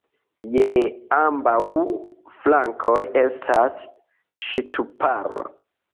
Je ambaŭ flankoj estas ŝtuparo.